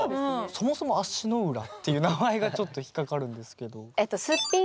そもそも「足の裏」っていう名前がちょっと引っ掛かるんですけど。